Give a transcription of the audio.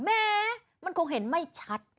แหมมันคงเห็นไม่ชัด